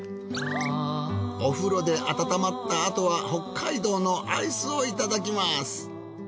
お風呂で温まったあとは北海道のアイスをいただきます。